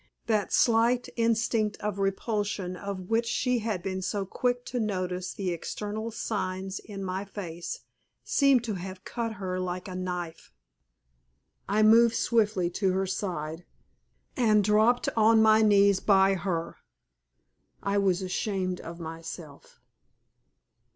That slight instinct of repulsion of which she had been so quick to notice the external signs in my face, seemed to have cut her like a knife. I moved swiftly to her side and dropped on my knees by her. I was ashamed of myself.